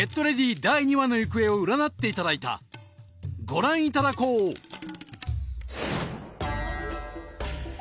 第２話の行方を占っていただいたご覧いただこうハッ！